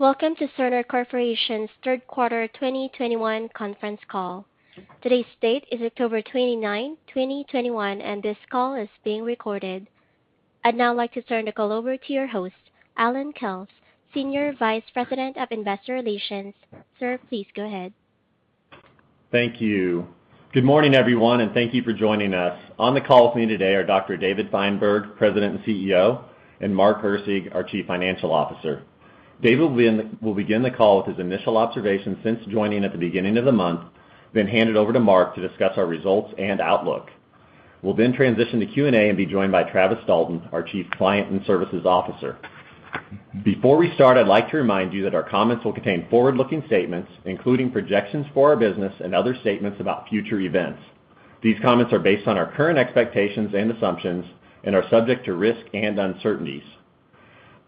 Welcome to Cerner Corporation's Third Quarter 2021 Conference Call. Today's date is October 29, 2021, and this call is being recorded. I'd now like to turn the call over to your host, Allan Kells, Senior Vice President of Investor Relations. Sir, please go ahead. Thank you. Good morning, everyone, and thank you for joining us. On the call with me today are Dr. David Feinberg, President and CEO, and Mark Erceg, our Chief Financial Officer. David will begin the call with his initial observation since joining at the beginning of the month, then hand it over to Mark to discuss our results and outlook. We'll then transition to Q&A and be joined by Travis Dalton, our Chief Client and Services Officer. Before we start, I'd like to remind you that our comments will contain forward-looking statements, including projections for our business and other statements about future events. These comments are based on our current expectations and assumptions and are subject to risk and uncertainties.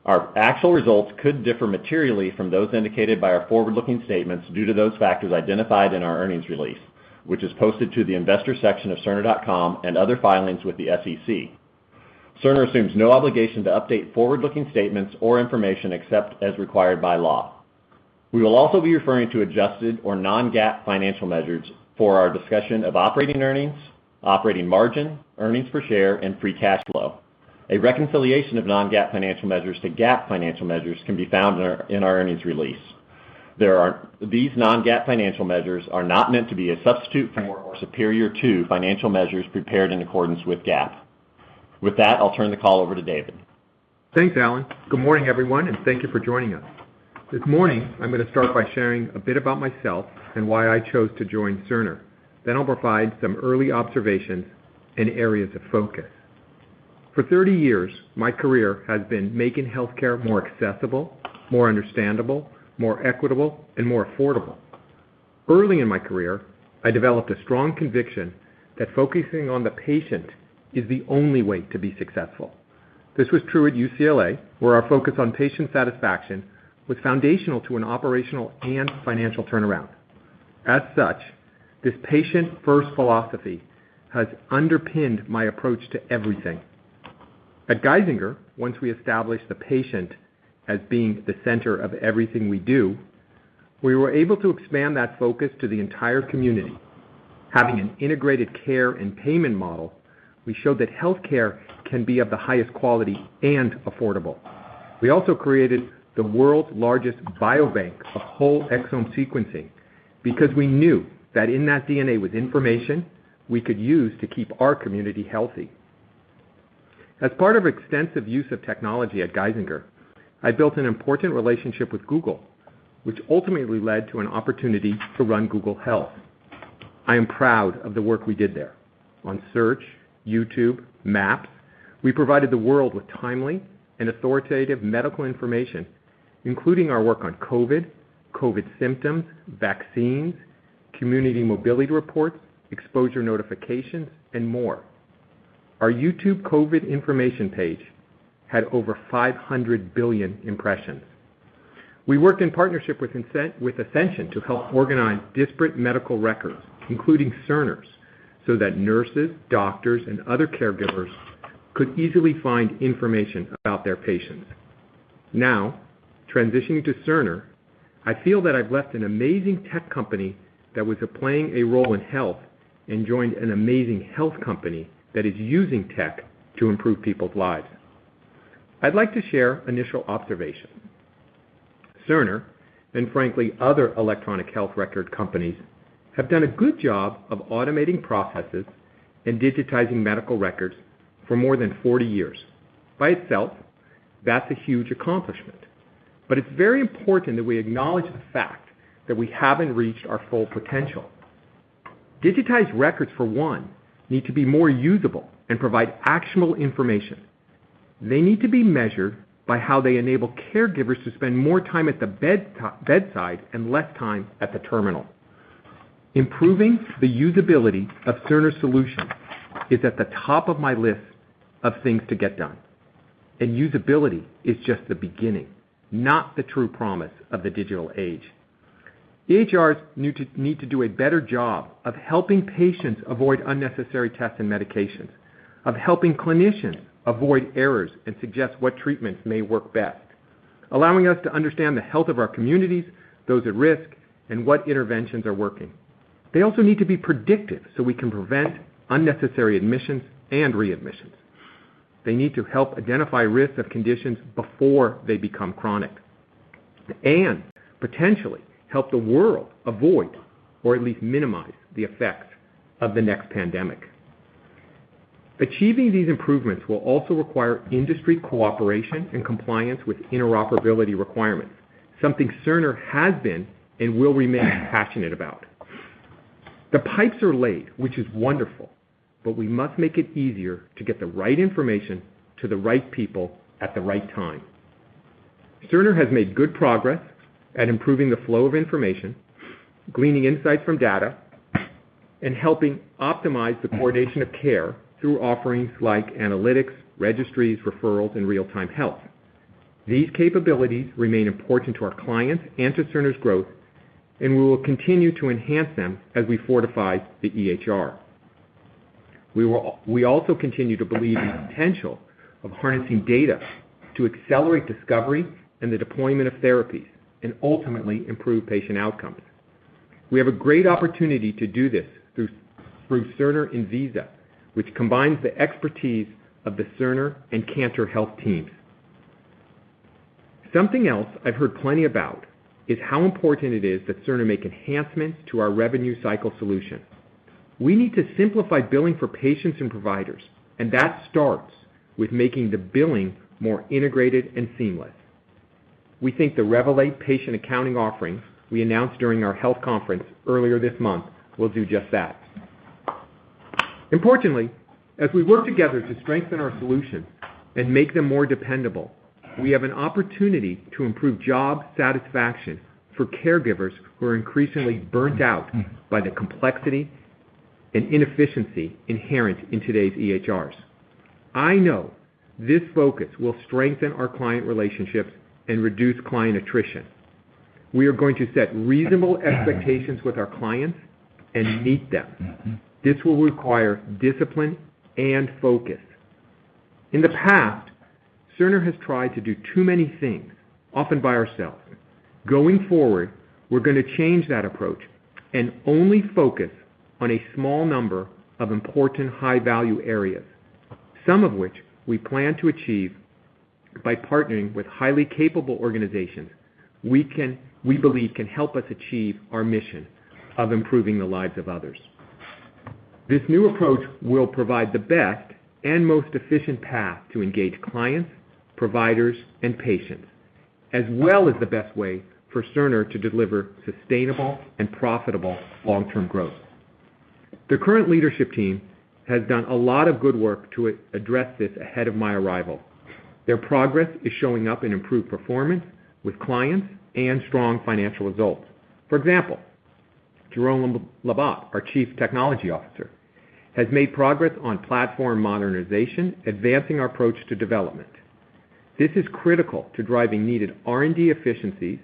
Our actual results could differ materially from those indicated by our forward-looking statements due to those factors identified in our earnings release, which is posted to the investor section of cerner.com and other filings with the SEC. Cerner assumes no obligation to update forward-looking statements or information except as required by law. We will also be referring to adjusted or non-GAAP financial measures for our discussion of operating earnings, operating margin, earnings per share, and free cash flow. A reconciliation of non-GAAP financial measures to GAAP financial measures can be found in our earnings release. These non-GAAP financial measures are not meant to be a substitute for or superior to financial measures prepared in accordance with GAAP. With that, I'll turn the call over to David. Thanks, Allan. Good morning, everyone, and thank you for joining us. This morning, I'm going to start by sharing a bit about myself and why I chose to join Cerner. I'll provide some early observations and areas of focus. For 30 years, my career has been making healthcare more accessible, more understandable, more equitable, and more affordable. Early in my career, I developed a strong conviction that focusing on the patient is the only way to be successful. This was true at UCLA, where our focus on patient satisfaction was foundational to an operational and financial turnaround. As such, this patient-first philosophy has underpinned my approach to everything. At Geisinger, once we established the patient as being the center of everything we do, we were able to expand that focus to the entire community. Having an integrated care and payment model, we showed that healthcare can be of the highest quality and affordable. We also created the world's largest biobank of whole exome sequencing because we knew that in that DNA was information we could use to keep our community healthy. As part of extensive use of technology at Geisinger, I built an important relationship with Google, which ultimately led to an opportunity to run Google Health. I am proud of the work we did there. On Search, YouTube, Maps, we provided the world with timely and authoritative medical information, including our work on COVID symptoms, vaccines, community mobility reports, exposure notifications, and more. Our YouTube COVID information page had over 500 billion impressions. We worked in partnership with Ascension to help organize disparate medical records, including Cerner's, so that nurses, doctors, and other caregivers could easily find information about their patients. Now, transitioning to Cerner, I feel that I've left an amazing tech company that was playing a role in health and joined an amazing health company that is using tech to improve people's lives. I'd like to share initial observation. Cerner, and frankly, other electronic health record companies, have done a good job of automating processes and digitizing medical records for more than 40 years. By itself, that's a huge accomplishment. It's very important that we acknowledge the fact that we haven't reached our full potential. Digitized records, for one, need to be more usable and provide actionable information. They need to be measured by how they enable caregivers to spend more time at the bedside and less time at the terminal. Improving the usability of Cerner's solution is at the top of my list of things to get done. Usability is just the beginning, not the true promise of the digital age. EHRs need to do a better job of helping patients avoid unnecessary tests and medications, of helping clinicians avoid errors and suggest what treatments may work best, allowing us to understand the health of our communities, those at risk, and what interventions are working. They also need to be predictive so we can prevent unnecessary admissions and readmissions. They need to help identify risk of conditions before they become chronic and potentially help the world avoid or at least minimize the effects of the next pandemic. Achieving these improvements will also require industry cooperation and compliance with interoperability requirements, something Cerner has been and will remain passionate about. The pipes are laid, which is wonderful, but we must make it easier to get the right information to the right people at the right time. Cerner has made good progress at improving the flow of information, gleaning insights from data, and helping optimize the coordination of care through offerings like analytics, registries, referrals, and real-time health. These capabilities remain important to our clients and to Cerner's growth, and we will continue to enhance them as we fortify the EHR. We also continue to believe in the potential of harnessing data to accelerate discovery and the deployment of therapies and ultimately improve patient outcomes. We have a great opportunity to do this through Cerner and Enviza, which combines the expertise of the Cerner and Kantar Health teams. Something else I've heard plenty about is how important it is that Cerner make enhancements to our revenue cycle solution. We need to simplify billing for patients and providers, and that starts with making the billing more integrated and seamless. We think the RevElate patient accounting offerings we announced during our health conference earlier this month will do just that. Importantly, as we work together to strengthen our solutions and make them more dependable, we have an opportunity to improve job satisfaction for caregivers who are increasingly burnt out by the complexity and inefficiency inherent in today's EHRs. I know this focus will strengthen our client relationships and reduce client attrition. We are going to set reasonable expectations with our clients and meet them. This will require discipline and focus. In the past, Cerner has tried to do too many things, often by ourselves. Going forward, we're gonna change that approach and only focus on a small number of important high-value areas, some of which we plan to achieve by partnering with highly capable organizations we believe can help us achieve our mission of improving the lives of others. This new approach will provide the best and most efficient path to engage clients, providers, and patients, as well as the best way for Cerner to deliver sustainable and profitable long-term growth. The current leadership team has done a lot of good work to address this ahead of my arrival. Their progress is showing up in improved performance with clients and strong financial results. For example, Jerome Labat, our Chief Technology Officer, has made progress on platform modernization, advancing our approach to development. This is critical to driving needed R&D efficiencies,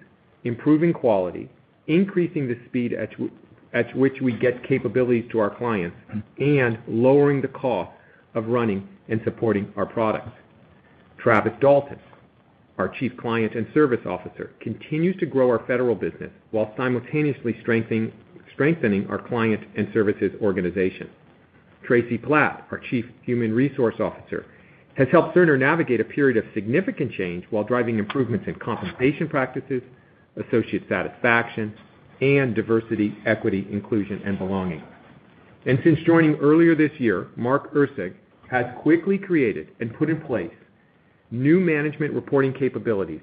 improving quality, increasing the speed at which we get capabilities to our clients, and lowering the cost of running and supporting our products. Travis Dalton, our Chief Client and Services Officer, continues to grow our federal business while simultaneously strengthening our client and services organization. Tracy Platt, our Chief Human Resources Officer, has helped Cerner navigate a period of significant change while driving improvements in compensation practices, associate satisfaction, and diversity, equity, inclusion, and belonging. Since joining earlier this year, Mark Erceg has quickly created and put in place new management reporting capabilities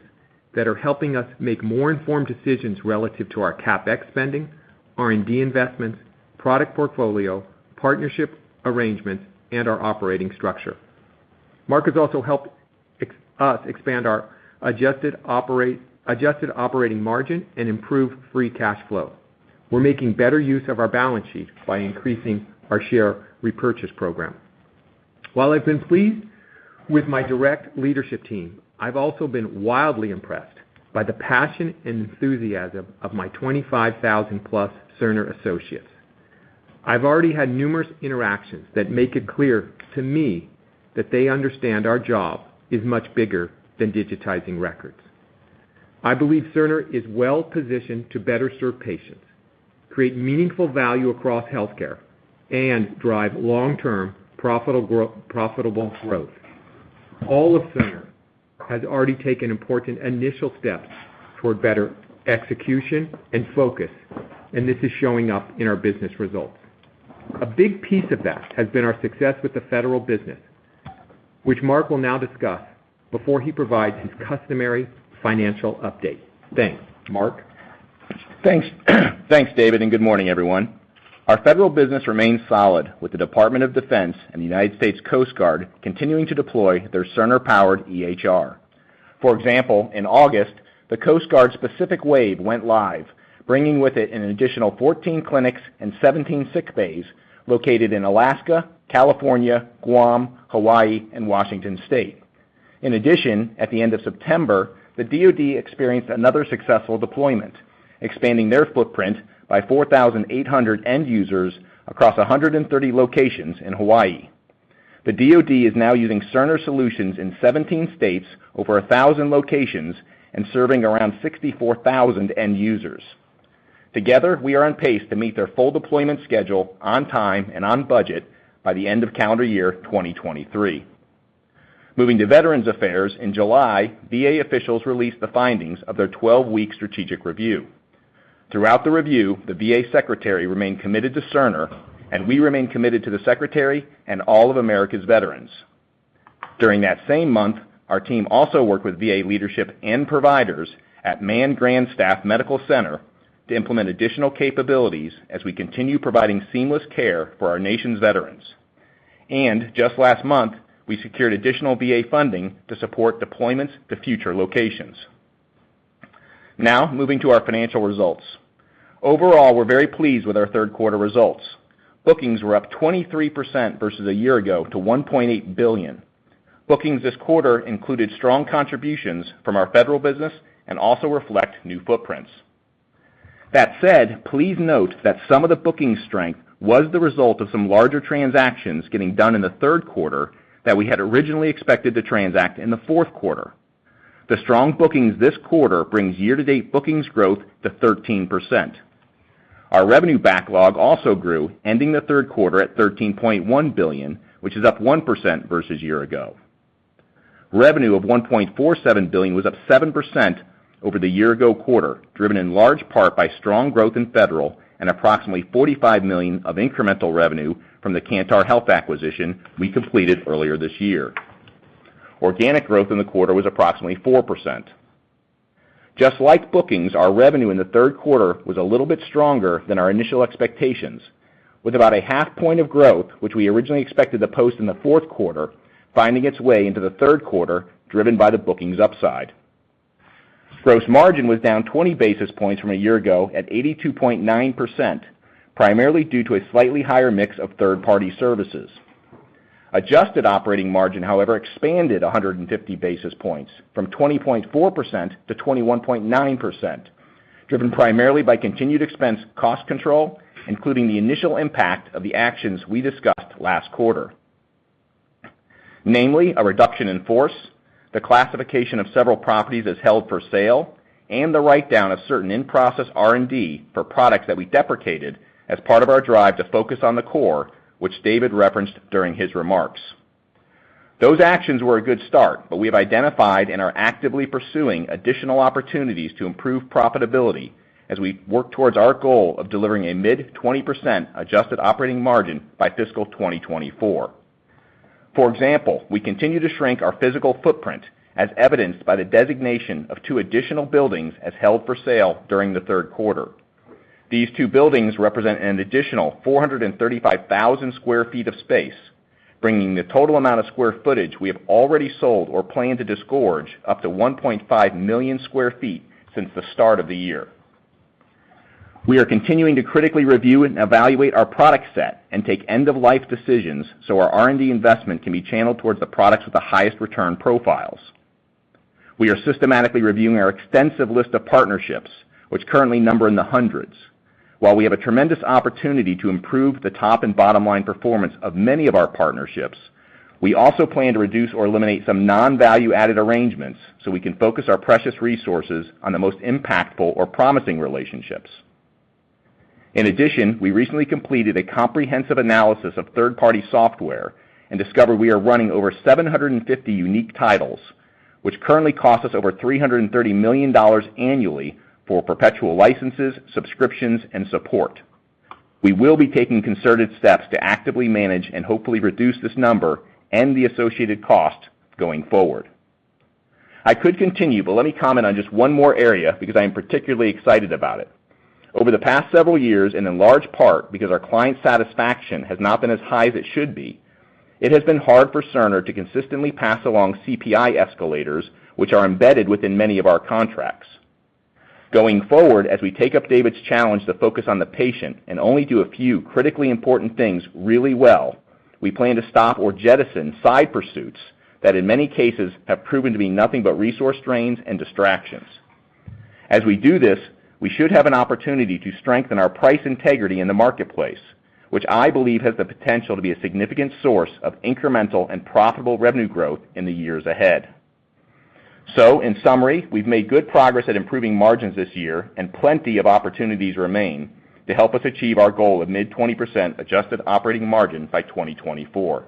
that are helping us make more informed decisions relative to our CapEx spending, R&D investments, product portfolio, partnership arrangements, and our operating structure. Mark has also helped us expand our adjusted operating margin and improve free cash flow. We're making better use of our balance sheet by increasing our share repurchase program. While I've been pleased with my direct leadership team, I've also been wildly impressed by the passion and enthusiasm of my 25,000+ Cerner associates. I've already had numerous interactions that make it clear to me that they understand our job is much bigger than digitizing records. I believe Cerner is well-positioned to better serve patients, create meaningful value across healthcare, and drive long-term profitable growth. All of Cerner has already taken important initial steps toward better execution and focus, and this is showing up in our business results. A big piece of that has been our success with the federal business, which Mark will now discuss before he provides his customary financial update. Thanks. Mark? Thanks. Thanks, David, and good morning, everyone. Our federal business remains solid with the Department of Defense and the United States Coast Guard continuing to deploy their Cerner-powered EHR. For example, in August, the Coast Guard's Pacific Wave went live, bringing with it an additional 14 clinics and 17 sick bays located in Alaska, California, Guam, Hawaii, and Washington State. In addition, at the end of September, the DoD experienced another successful deployment, expanding their footprint by 4,800 end users across 130 locations in Hawaii. The DoD is now using Cerner solutions in 17 states, over 1,000 locations, and serving around 64,000 end users. Together, we are on pace to meet their full deployment schedule on time and on budget by the end of calendar year 2023. Moving to Veterans Affairs, in July, VA officials released the findings of their 12-week strategic review. Throughout the review, the VA Secretary remained committed to Cerner, and we remain committed to the Secretary and all of America's veterans. During that same month, our team also worked with VA leadership and providers at Mann-Grandstaff Medical Center to implement additional capabilities as we continue providing seamless care for our nation's veterans. Just last month, we secured additional VA funding to support deployments to future locations. Now, moving to our financial results. Overall, we're very pleased with our third quarter results. Bookings were up 23% versus a year ago to $1.8 billion. Bookings this quarter included strong contributions from our federal business and also reflect new footprints. That said, please note that some of the booking strength was the result of some larger transactions getting done in the third quarter that we had originally expected to transact in the fourth quarter. The strong bookings this quarter brings year-to-date bookings growth to 13%. Our revenue backlog also grew, ending the third quarter at $13.1 billion, which is up 1% versus year-ago. Revenue of $1.47 billion was up 7% over the year-ago quarter, driven in large part by strong growth in federal and approximately $45 million of incremental revenue from the Kantar Health acquisition we completed earlier this year. Organic growth in the quarter was approximately 4%. Just like bookings, our revenue in the third quarter was a little bit stronger than our initial expectations, with about 0.5 point of growth, which we originally expected to post in the fourth quarter, finding its way into the third quarter, driven by the bookings upside. Gross margin was down 20 basis points from a year ago at 82.9%, primarily due to a slightly higher mix of third-party services. Adjusted operating margin, however, expanded 150 basis points from 20.4% to 21.9%, driven primarily by continued expense cost control, including the initial impact of the actions we discussed last quarter. Namely, a reduction in force, the classification of several properties as held for sale, and the write-down of certain in-process R&D for products that we deprecated as part of our drive to focus on the core, which David referenced during his remarks. Those actions were a good start, but we have identified and are actively pursuing additional opportunities to improve profitability as we work towards our goal of delivering a mid-20% adjusted operating margin by fiscal 2024. For example, we continue to shrink our physical footprint as evidenced by the designation of two additional buildings as held for sale during the third quarter. These two buildings represent an additional 435,000 sq ft of space, bringing the total amount of square footage we have already sold or plan to dispose up to 1.5 million sq ft since the start of the year. We are continuing to critically review and evaluate our product set and take end-of-life decisions so our R&D investment can be channeled towards the products with the highest return profiles. We are systematically reviewing our extensive list of partnerships, which currently number in the hundreds. While we have a tremendous opportunity to improve the top and bottom line performance of many of our partnerships, we also plan to reduce or eliminate some non-value added arrangements so we can focus our precious resources on the most impactful or promising relationships. In addition, we recently completed a comprehensive analysis of third-party software and discovered we are running over 750 unique titles, which currently cost us over $330 million annually for perpetual licenses, subscriptions, and support. We will be taking concerted steps to actively manage and hopefully reduce this number and the associated cost going forward. I could continue, but let me comment on just one more area because I am particularly excited about it. Over the past several years, and in large part because our client satisfaction has not been as high as it should be, it has been hard for Cerner to consistently pass along CPI escalators which are embedded within many of our contracts. Going forward, as we take up David's challenge to focus on the patient and only do a few critically important things really well, we plan to stop or jettison side pursuits that in many cases have proven to be nothing but resource drains and distractions. As we do this, we should have an opportunity to strengthen our price integrity in the marketplace, which I believe has the potential to be a significant source of incremental and profitable revenue growth in the years ahead. In summary, we've made good progress at improving margins this year and plenty of opportunities remain to help us achieve our goal of mid-20% adjusted operating margin by 2024.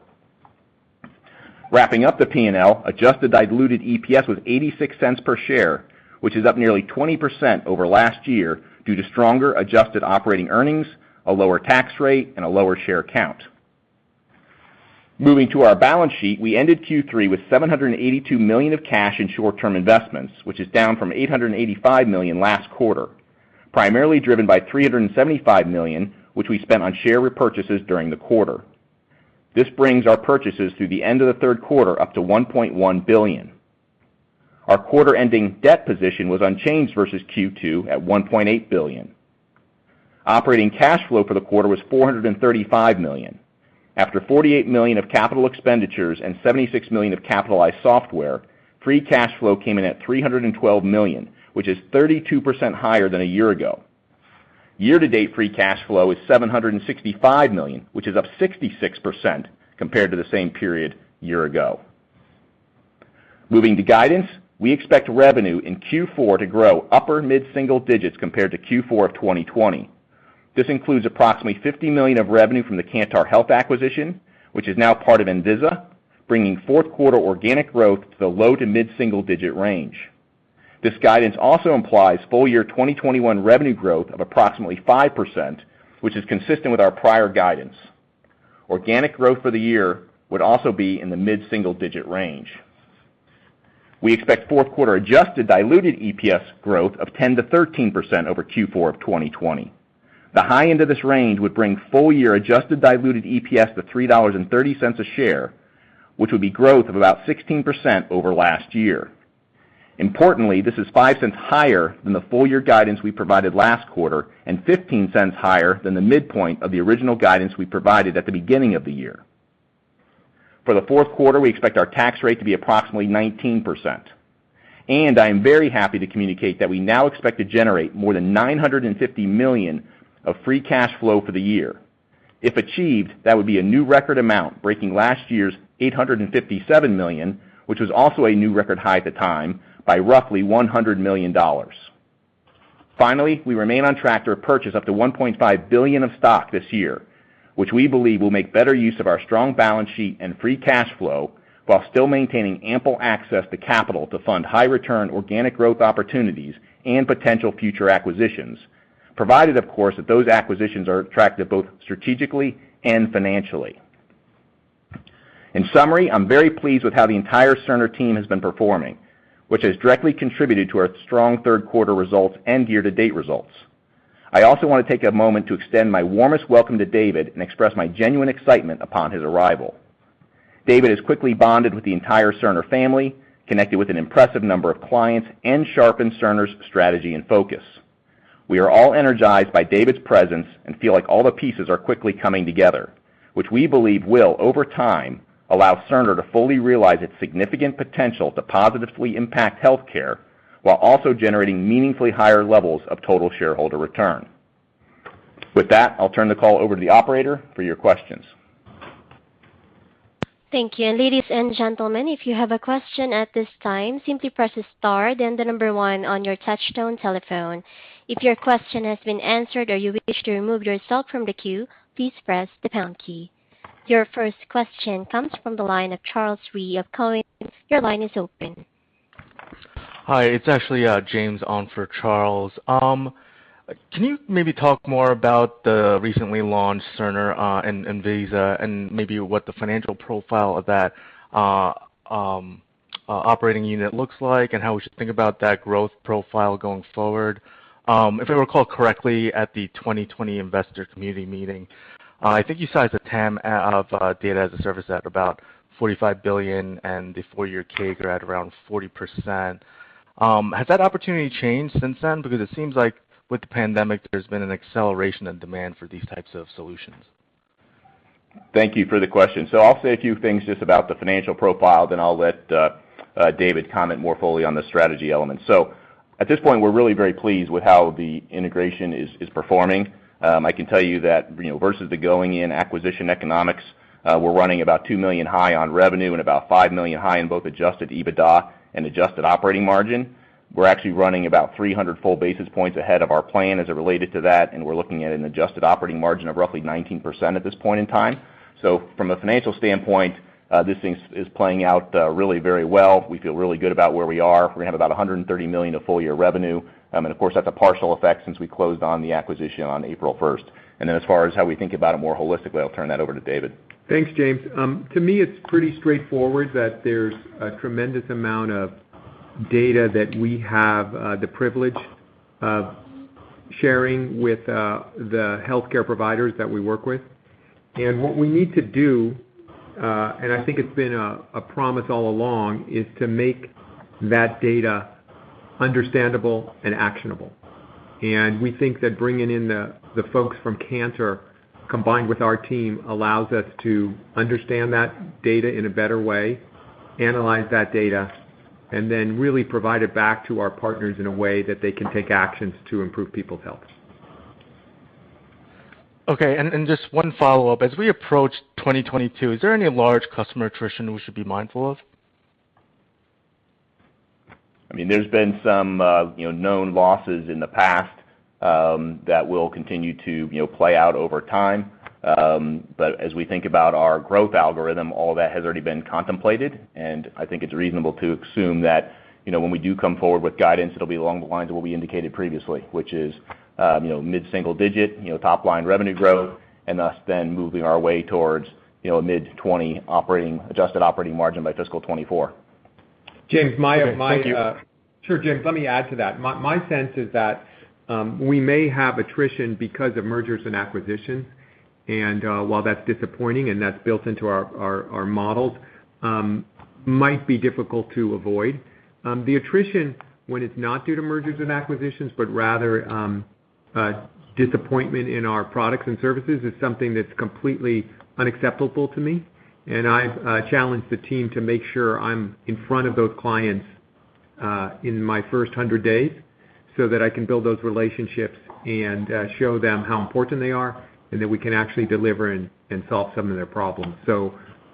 Wrapping up the P&L, adjusted diluted EPS was $0.86 per share, which is up nearly 20% over last year due to stronger adjusted operating earnings, a lower tax rate, and a lower share count. Moving to our balance sheet, we ended Q3 with $782 million of cash and short-term investments, which is down from $885 million last quarter, primarily driven by $375 million, which we spent on share repurchases during the quarter. This brings our purchases through the end of the third quarter up to $1.1 billion. Our quarter-ending debt position was unchanged versus Q2 at $1.8 billion. Operating cash flow for the quarter was $435 million. After $48 million of capital expenditures and $76 million of capitalized software, free cash flow came in at $312 million, which is 32% higher than a year ago. Year-to-date free cash flow is $765 million, which is up 66% compared to the same period year ago. Moving to guidance, we expect revenue in Q4 to grow upper mid-single digits compared to Q4 of 2020. This includes approximately $50 million of revenue from the Kantar Health acquisition, which is now part of Enviza, bringing fourth quarter organic growth to the low to mid-single digit range. This guidance also implies full-year 2021 revenue growth of approximately 5%, which is consistent with our prior guidance. Organic growth for the year would also be in the mid-single digit range. We expect fourth quarter adjusted diluted EPS growth of 10%-13% over Q4 of 2020. The high end of this range would bring full year adjusted diluted EPS to $3.30 a share, which would be growth of about 16% over last year. Importantly, this is 5 cents higher than the full year guidance we provided last quarter and 15 cents higher than the midpoint of the original guidance we provided at the beginning of the year. For the fourth quarter, we expect our tax rate to be approximately 19%. I am very happy to communicate that we now expect to generate more than $950 million of free cash flow for the year. If achieved, that would be a new record amount, breaking last year's $857 million, which was also a new record high at the time, by roughly $100 million. Finally, we remain on track to purchase up to $1.5 billion of stock this year, which we believe will make better use of our strong balance sheet and free cash flow while still maintaining ample access to capital to fund high return organic growth opportunities and potential future acquisitions, provided, of course, that those acquisitions are attractive both strategically and financially. In summary, I'm very pleased with how the entire Cerner team has been performing, which has directly contributed to our strong third quarter results and year-to-date results. I also wanna take a moment to extend my warmest welcome to David and express my genuine excitement upon his arrival. David has quickly bonded with the entire Cerner family, connected with an impressive number of clients, and sharpened Cerner's strategy and focus. We are all energized by David's presence and feel like all the pieces are quickly coming together, which we believe will, over time, allow Cerner to fully realize its significant potential to positively impact healthcare while also generating meaningfully higher levels of total shareholder return. With that, I'll turn the call over to the operator for your questions. Thank you. Ladies and gentlemen, if you have a question at this time, simply press star then the number 1 on your touch tone telephone. If your question has been answered or you wish to remove yourself from the queue, please press the pound key. Your first question comes from the line of Charles Rhyee of Cowen. Your line is open. Hi, it's actually James on for Charles. Can you maybe talk more about the recently launched Cerner Enviza and maybe what the financial profile of that operating unit looks like and how we should think about that growth profile going forward? If I recall correctly, at the 2020 investor community meeting, I think you sized the TAM of data as a service at about $45 billion and the four-year CAGR at around 40%. Has that opportunity changed since then? Because it seems like with the pandemic, there's been an acceleration in demand for these types of solutions. Thank you for the question. I'll say a few things just about the financial profile, then I'll let David comment more fully on the strategy element. At this point, we're really very pleased with how the integration is performing. I can tell you that, you know, versus the going in acquisition economics, we're running about $2 million high on revenue and about $5 million high in both adjusted EBITDA and adjusted operating margin. We're actually running about 300 basis points ahead of our plan as it related to that, and we're looking at an adjusted operating margin of roughly 19% at this point in time. From a financial standpoint, this is playing out really very well. We feel really good about where we are. We're gonna have about $130 million of full year revenue. Of course that's a partial effect since we closed on the acquisition on April first. As far as how we think about it more holistically, I'll turn that over to David. Thanks, James. To me, it's pretty straightforward that there's a tremendous amount of data that we have the privilege of sharing with the healthcare providers that we work with. What we need to do, and I think it's been a promise all along, is to make that data understandable and actionable. We think that bringing in the folks from Kantar combined with our team allows us to understand that data in a better way, analyze that data, and then really provide it back to our partners in a way that they can take actions to improve people's health. Okay, and just one follow-up. As we approach 2022, is there any large customer attrition we should be mindful of? I mean, there's been some, you know, known losses in the past, that will continue to, you know, play out over time. As we think about our growth algorithm, all that has already been contemplated, and I think it's reasonable to assume that, you know, when we do come forward with guidance, it'll be along the lines of what we indicated previously, which is, you know, mid-single-digit% top-line revenue growth, and thus then moving our way towards, you know, a mid-20% adjusted operating margin by fiscal 2024. James, my Sure, James, let me add to that. My sense is that we may have attrition because of mergers and acquisitions. While that's disappointing and that's built into our models, it might be difficult to avoid. The attrition, when it's not due to mergers and acquisitions, but rather disappointment in our products and services, is something that's completely unacceptable to me. I've challenged the team to make sure I'm in front of those clients in my first 100 days so that I can build those relationships and show them how important they are and that we can actually deliver and solve some of their problems.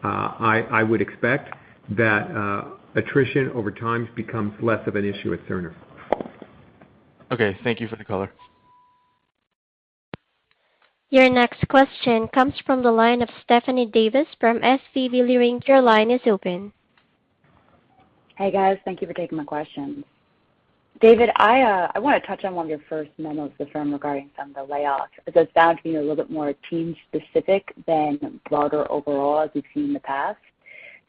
I would expect that attrition over time becomes less of an issue at Cerner. Okay, thank you for the color. Your next question comes from the line of Stephanie Davis from SVB Leerink. Your line is open. Hey, guys. Thank you for taking my questions. David, I wanna touch on one of your first memos to the firm regarding some of the layoffs. It does sound to me a little bit more team specific than broader overall, as we've seen in the past.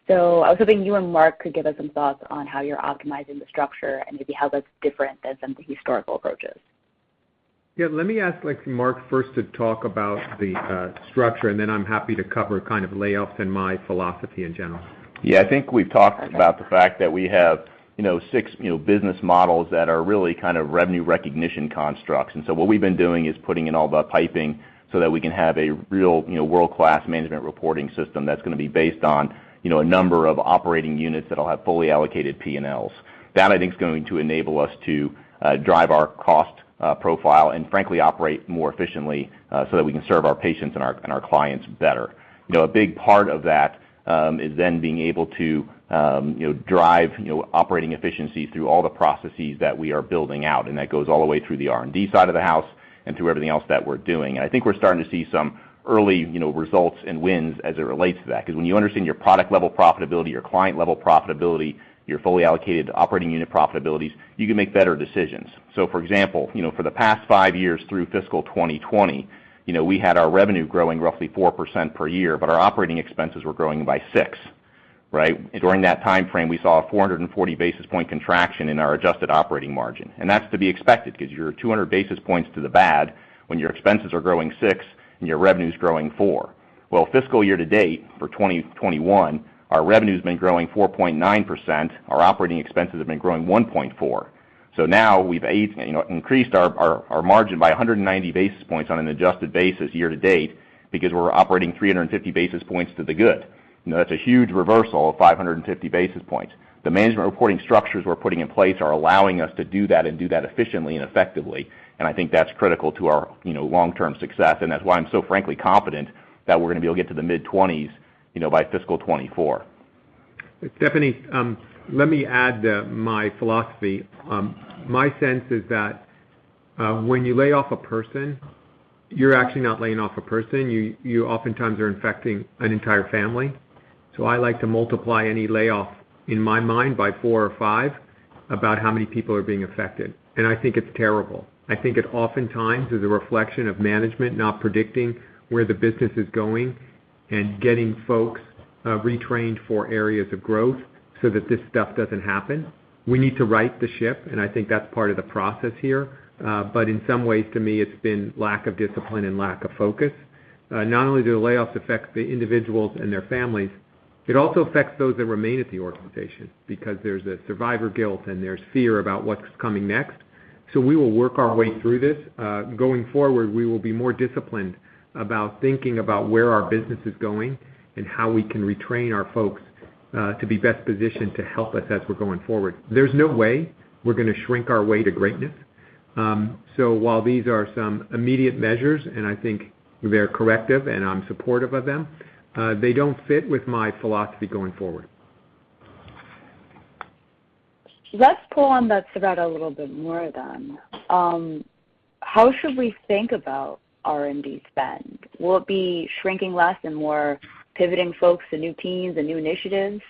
I was hoping you and Mark could give us some thoughts on how you're optimizing the structure and maybe how that's different than some of the historical approaches. Yeah, let me ask like Mark first to talk about the structure, and then I'm happy to cover kind of layoffs and my philosophy in general. Yeah, I think we've talked about the fact that we have, you know, six, you know, business models that are really kind of revenue recognition constructs. What we've been doing is putting in all the piping so that we can have a real, you know, world-class management reporting system that's gonna be based on, you know, a number of operating units that'll have fully allocated P&Ls. That, I think, is going to enable us to drive our cost profile, and frankly, operate more efficiently, so that we can serve our patients and our clients better. You know, a big part of that is then being able to you know, drive you know, operating efficiency through all the processes that we are building out, and that goes all the way through the R&D side of the house and through everything else that we're doing. I think we're starting to see some early you know, results and wins as it relates to that. 'Cause when you understand your product level profitability, your client level profitability, your fully allocated operating unit profitabilities, you can make better decisions. For example, you know, for the past five years through fiscal 2020, you know, we had our revenue growing roughly 4% per year, but our operating expenses were growing by 6%, right? During that timeframe, we saw a 440 basis point contraction in our adjusted operating margin. That's to be expected 'cause you're 200 basis points to the bad when your expenses are growing 6% and your revenue's growing 4%. Well, fiscal year to date for 2021, our revenue's been growing 4.9%. Our operating expenses have been growing 1.4%. Now we've you know, increased our margin by 190 basis points on an adjusted basis year to date because we're operating 350 basis points to the good. You know, that's a huge reversal of 550 basis points. The management reporting structures we're putting in place are allowing us to do that and do that efficiently and effectively, and I think that's critical to our, you know, long-term success, and that's why I'm so frankly confident that we're gonna be able to get to the mid-20s, you know, by fiscal 2024. Stephanie, let me add my philosophy. My sense is that, when you lay off a person, you're actually not laying off a person. You oftentimes are infecting an entire family. I like to multiply any layoff, in my mind, by four or five about how many people are being affected. I think it's terrible. I think it oftentimes is a reflection of management not predicting where the business is going and getting folks retrained for areas of growth so that this stuff doesn't happen. We need to right the ship, and I think that's part of the process here. In some ways, to me, it's been lack of discipline and lack of focus. Not only do the layoffs affect the individuals and their families, it also affects those that remain at the organization because there's a survivor guilt and there's fear about what's coming next. We will work our way through this. Going forward, we will be more disciplined about thinking about where our business is going and how we can retrain our folks to be best positioned to help us as we're going forward. There's no way we're gonna shrink our way to greatness. While these are some immediate measures, and I think they're corrective, and I'm supportive of them, they don't fit with my philosophy going forward. Let's pull on that thread a little bit more then. How should we think about R&D spend? Will it be shrinking less and more pivoting folks to new teams and new initiatives,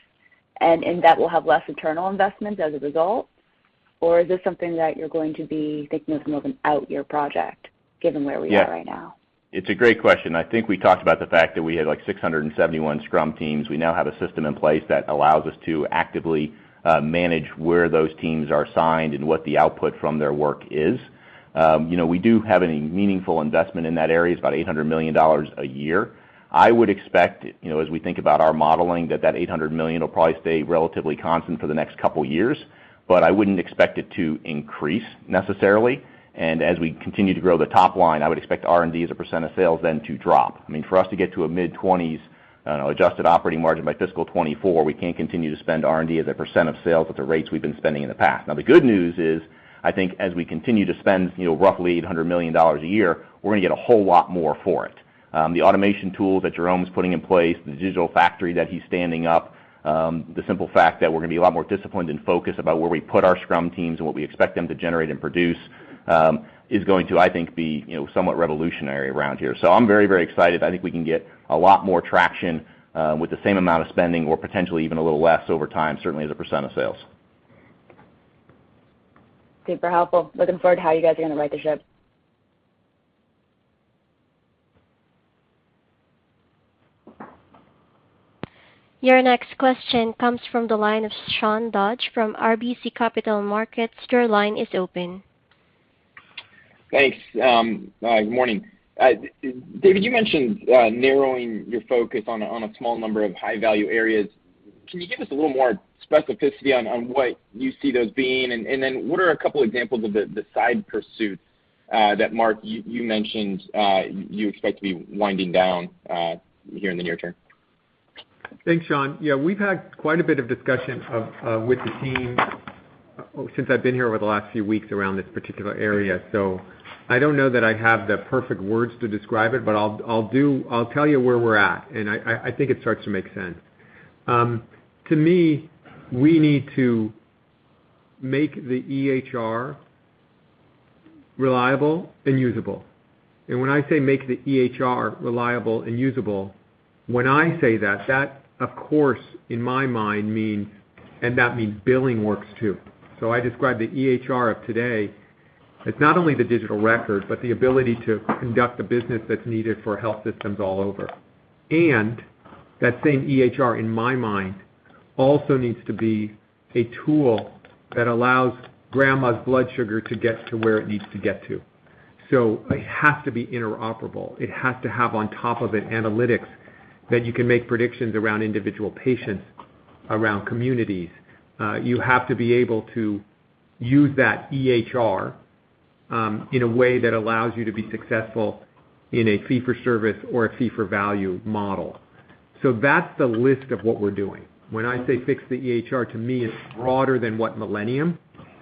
and in that we'll have less internal investments as a result? Is this something that you're going to be thinking of as more of an outyear project given where we are right now? Yeah. It's a great question. I think we talked about the fact that we had, like, 671 scrum teams. We now have a system in place that allows us to actively manage where those teams are signed and what the output from their work is. You know, we do have a meaningful investment in that area. It's about $800 million a year. I would expect, you know, as we think about our modeling, that that $800 million will probably stay relatively constant for the next couple years, but I wouldn't expect it to increase necessarily. As we continue to grow the top line, I would expect R&D as a % of sales then to drop. I mean, for us to get to a mid-20s% adjusted operating margin by fiscal 2024, we can't continue to spend R&D as a % of sales at the rates we've been spending in the past. Now, the good news is, I think as we continue to spend, you know, roughly $800 million a year, we're gonna get a whole lot more for it. The automation tool that Jerome's putting in place, the digital factory that he's standing up, the simple fact that we're gonna be a lot more disciplined and focused about where we put our scrum teams and what we expect them to generate and produce, is going to, I think, be, you know, somewhat revolutionary around here. I'm very, very excited. I think we can get a lot more traction with the same amount of spending or potentially even a little less over time, certainly as a percent of sales. Super helpful. Looking forward to how you guys are gonna right the ship. Your next question comes from the line of Sean Dodge from RBC Capital Markets. Your line is open. Thanks. Good morning. David, you mentioned narrowing your focus on a small number of high-value areas. Can you give us a little more specificity on what you see those being? What are a couple examples of the side pursuits that Mark, you mentioned you expect to be winding down here in the near term? Thanks, Sean. Yeah, we've had quite a bit of discussion with the team since I've been here over the last few weeks around this particular area. I don't know that I have the perfect words to describe it, but I'll tell you where we're at, and I think it starts to make sense. To me, we need to make the EHR reliable and usable. When I say make the EHR reliable and usable, that, of course, in my mind means that billing works too. I describe the EHR of today as not only the digital record but the ability to conduct the business that's needed for health systems all over. That same EHR also needs to be a tool that allows grandma's blood sugar to get to where it needs to get to. It has to be interoperable. It has to have on top of it analytics that you can make predictions around individual patients, around communities. You have to be able to use that EHR in a way that allows you to be successful in a fee for service or a fee for value model. That's the list of what we're doing. When I say fix the EHR, to me, it's broader than what Millennium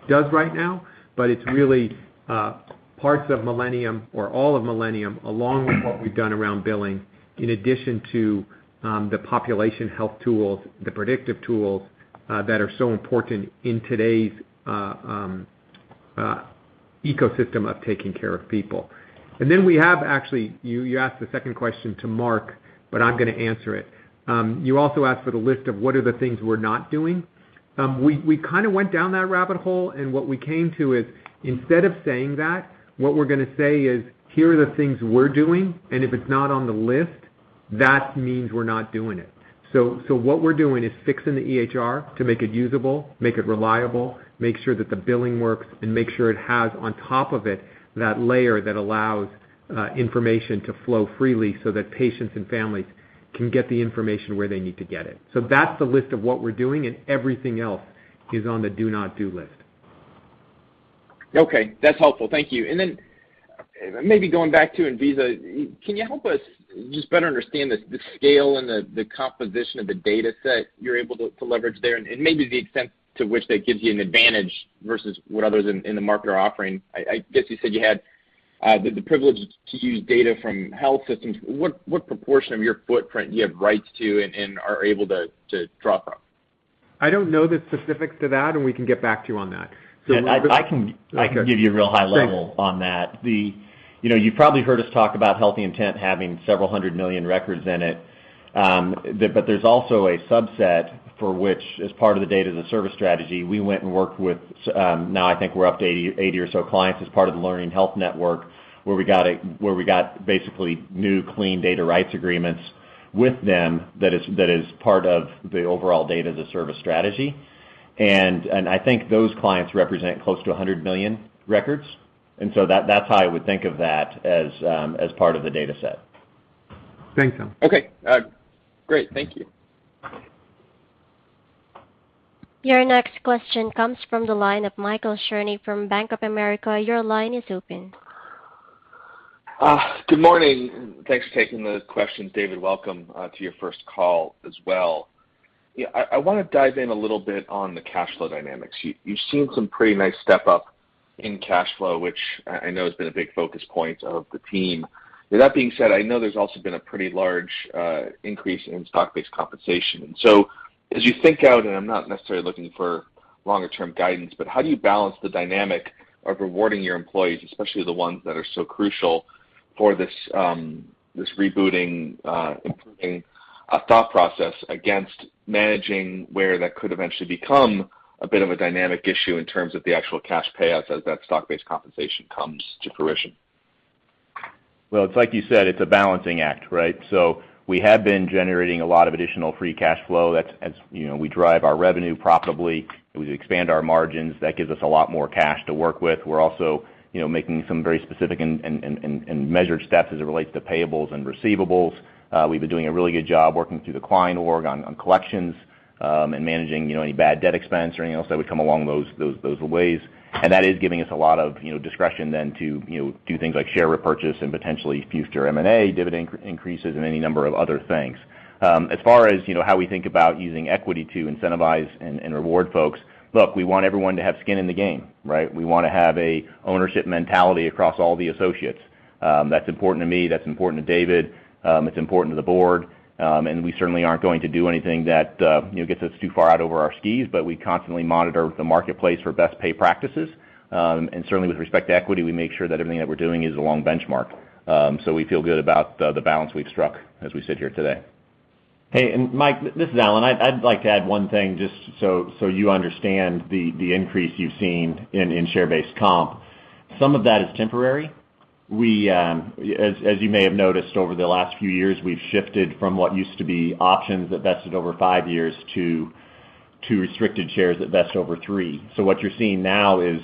does right now. It's really parts of Millennium or all of Millennium along with what we've done around billing, in addition to the population health tools, the predictive tools that are so important in today's ecosystem of taking care of people. We have actually, you asked the second question to Mark, but I'm gonna answer it. You also asked for the list of what are the things we're not doing. We kinda went down that rabbit hole, and what we came to is instead of saying that, what we're gonna say is, here are the things we're doing, and if it's not on the list, that means we're not doing it. What we're doing is fixing the EHR to make it usable, make it reliable, make sure that the billing works, and make sure it has on top of it that layer that allows information to flow freely so that patients and families can get the information where they need to get it. That's the list of what we're doing, and everything else is on the do not do list. Okay. That's helpful. Thank you. Maybe going back to Enviza, can you help us just better understand the scale and the composition of the data set you're able to leverage there and maybe the extent to which that gives you an advantage versus what others in the market are offering? I guess you said you had the privilege to use data from health systems. What proportion of your footprint do you have rights to and are able to draw from? I don't know the specifics to that, and we can get back to you on that. We're gonna I can- Okay. I can give you a real high level. Great On that. You know, you probably heard us talk about HealtheIntent having several hundred million records in it. But there's also a subset for which, as part of the data as a service strategy, we went and worked with, now I think we're up to 80 or so clients as part of the Learning Health Network, where we got basically new clean data rights agreements with them that is part of the overall data as a service strategy. I think those clients represent close to 100 million records. That's how I would think of that as part of the data set. Thanks, Allan. Okay. Great. Thank you. Your next question comes from the line of Michael Cherny from Bank of America. Your line is open. Good morning, and thanks for taking the questions. David, welcome to your first call as well. Yeah, I wanna dive in a little bit on the cash flow dynamics. You've seen some pretty nice step up in cash flow, which I know has been a big focus point of the team. With that being said, I know there's also been a pretty large increase in stock-based compensation. As you think out, and I'm not necessarily looking for longer term guidance, but how do you balance the dynamic of rewarding your employees, especially the ones that are so crucial for this rebooting, improving thought process against managing where that could eventually become a bit of a dynamic issue in terms of the actual cash payouts as that stock-based compensation comes to fruition? Well, it's like you said, it's a balancing act, right? We have been generating a lot of additional free cash flow. That's as you know, we drive our revenue profitably, as we expand our margins, that gives us a lot more cash to work with. We're also you know, making some very specific and measured steps as it relates to payables and receivables. We've been doing a really good job working through the client org on collections and managing you know, any bad debt expense or anything else that would come along those ways. That is giving us a lot of you know, discretion then to you know, do things like share repurchase and potentially future M&A, dividend increases and any number of other things. As far as, you know, how we think about using equity to incentivize and reward folks, look, we want everyone to have skin in the game, right? We wanna have an ownership mentality across all the associates. That's important to me, that's important to David, it's important to the board, and we certainly aren't going to do anything that, you know, gets us too far out over our skis. We constantly monitor the marketplace for best pay practices. And certainly with respect to equity, we make sure that everything that we're doing is along benchmark. So we feel good about the balance we've struck as we sit here today. Hey, Mike, this is Allan. I'd like to add one thing just so you understand the increase you've seen in share-based comp. Some of that is temporary. We, as you may have noticed over the last few years, we've shifted from what used to be options that vested over five years to restricted shares that vest over three. What you're seeing now is